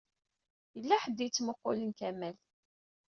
Yella ḥedd i yettmuqqulen Kamal.